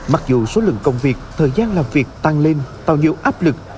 mặc dù số lượng công việc thời gian làm việc tăng lên tạo nhiều áp lực